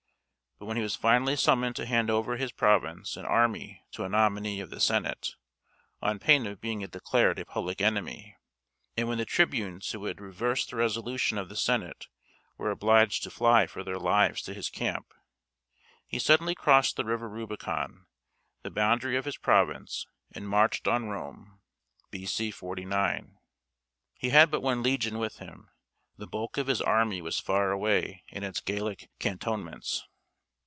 But when he was finally summoned to hand over his province and army to a nominee of the Senate, on pain of being declared a public enemy, and when the tribunes who had reversed the resolution of the Senate were obliged to fly for their lives to his camp, he suddenly crossed the river Rubicon, the boundary of his province, and marched on Rome (B.C. 49). He had but one legion with him; the bulk of his army was far away in its Gallic cantonments.